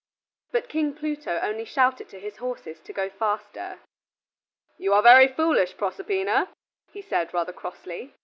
But King Pluto only shouted to his horses to go faster. "You are very foolish, Proserpina," he said, rather crossly.